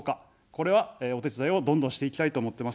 これはお手伝いをどんどんしていきたいと思ってます。